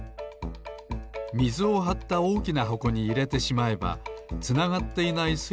みずをはったおおきなはこにいれてしまえばつながっていないす